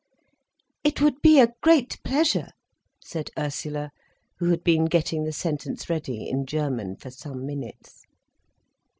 "It would be a great pleasure," said Ursula, who had been getting the sentence ready, in German, for some minutes.